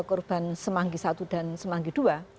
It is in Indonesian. korban semanggi i dan semanggi ii